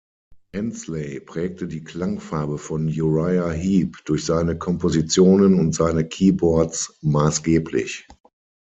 Hensley prägte die Klangfarbe von Uriah Heep durch seine Kompositionen und seine Keyboards maßgeblich.